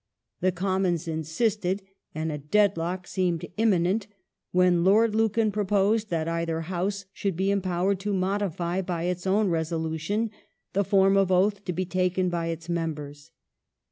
The Commons insisted and a deadlock seemed imminent, when Lord Lucan pro posed that either House should be empowered to modify, by its own resolution, the form of Oath to be taken by its members.